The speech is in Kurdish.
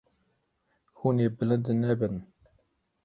Hûn ê bilind nebin.